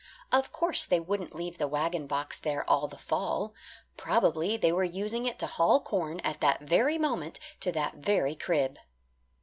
Of course they wouldn't leave the wagon box there all the fall. Probably they were using it to haul corn, at that very moment, to that very crib.